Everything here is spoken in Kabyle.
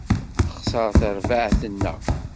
Texser terbaεt-nneɣ.